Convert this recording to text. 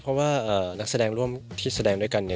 เพราะว่านักแสดงร่วมที่แสดงด้วยกัน